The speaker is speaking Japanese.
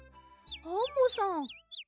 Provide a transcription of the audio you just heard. アンモさん。